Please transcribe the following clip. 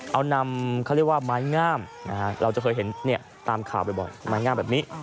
เอานำเขาเรียกว่าไม้งามเราจะเคยเห็นตามข่าวบ่อยไม้งามแบบนี้